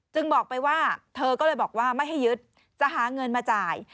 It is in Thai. บอกไปว่าเธอก็เลยบอกว่าไม่ให้ยึดจะหาเงินมาจ่าย